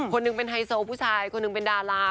คนหนึ่งเป็นไฮโซผู้ชายคนหนึ่งเป็นดารา